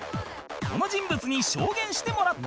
この人物に証言してもらった